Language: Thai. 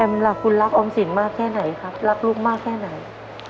ล่ะคุณรักออมสินมากแค่ไหนครับรักลูกมากแค่ไหน